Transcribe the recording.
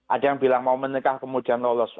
ada yang bilang mau menikah kemudian lolos